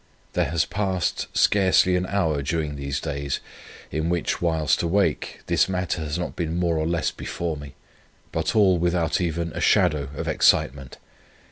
There has passed scarcely an hour during these days, in which, whilst awake, this matter has not been more or less before me. But all without even a shadow of excitement.